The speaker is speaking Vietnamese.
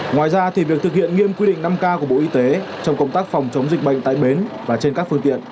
ngoài ra thì việc thực hiện nghiêm quy định năm k của bộ y tế trong công tác phòng chống dịch bệnh tại bến và trên các phương tiện